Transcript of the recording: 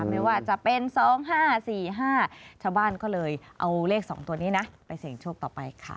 ไม่ว่าจะเป็น๒๕๔๕ชาวบ้านก็เลยเอาเลข๒ตัวนี้นะไปเสี่ยงโชคต่อไปค่ะ